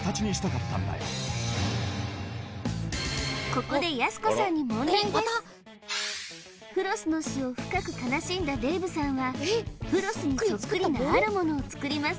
ここでフロスの死を深く悲しんだデイブさんはフロスにそっくりなあるものを作ります